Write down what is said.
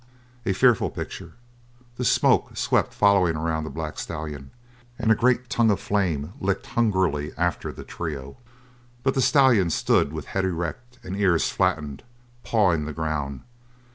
A fearful picture. The smoke swept following around the black stallion, and a great tongue of flame licked hungrily after the trio. But the stallion stood with head erect, and ears flattened, pawing the ground.